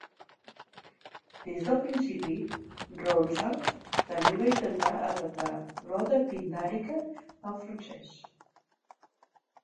Des del principi, Ronsard també va intentar adaptar l'oda pindàrica al francès.